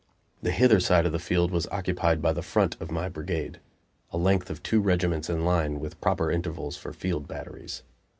The hither side of the field was occupied by the front of my brigade a length of two regiments in line, with proper intervals for field batteries.